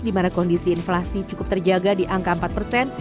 di mana kondisi inflasi cukup terjaga di angka empat persen